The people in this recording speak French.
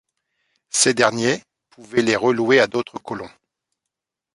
Ces derniers pouvaient les relouer à d'autres colons.